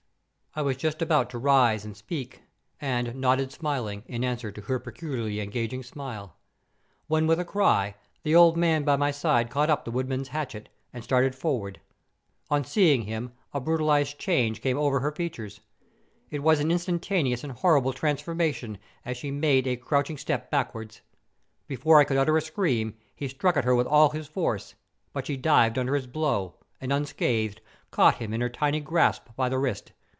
I was just about to rise and speak, and nodded smiling, in answer to her peculiarly engaging smile; when with a cry, the old man by my side caught up the woodman's hatchet, and started forward. On seeing him a brutalized change came over her features. It was an instantaneous and horrible transformation, as she made a crouching step backwards. Before I could utter a scream, he struck at her with all his force, but she dived under his blow, and unscathed, caught him in her tiny grasp by the wrist.